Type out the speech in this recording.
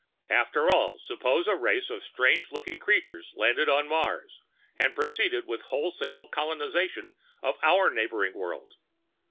After all, suppose a race of strange looking creatures landed on Mars, and proceeded with wholesale colonization of our neighboring world?